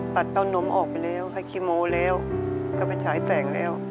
เต้านมออกไปแล้วให้คีโมแล้วก็ไปฉายแสงแล้ว